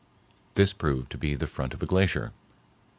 This proved to be the front of a glacier.